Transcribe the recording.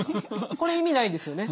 これ意味ないですよね。